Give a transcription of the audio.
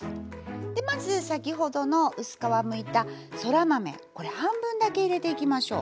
でまず先ほどの薄皮むいたそら豆これ半分だけ入れていきましょう。